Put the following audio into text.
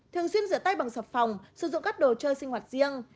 thường xuyên rửa tay bằng sạp phòng sử dụng các đồ chơi sinh hoạt riêng